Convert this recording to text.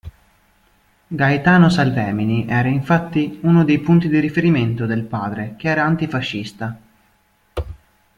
Gaetano Salvemini era infatti uno dei punti di riferimento del padre che era antifascista.